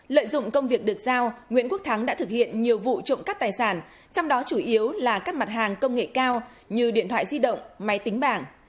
lợi dụng công việc được giao nguyễn quốc thắng đã thực hiện nhiều vụ trộm cắp tài sản trong đó chủ yếu là các mặt hàng công nghệ cao như điện thoại di động máy tính bảng